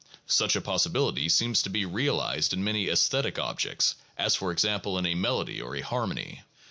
Such a possibility seems to be realized in many aesthetic objects, as for example in a melody or a harmony.